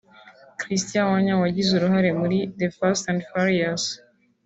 Christian Wagner wagize uruhare muri ’The Fast & Furious’